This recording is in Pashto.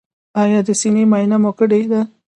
ایا د سینې معاینه مو کړې ده؟